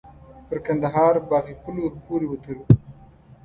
پر کندهار باغ پل ور پورې وتلو.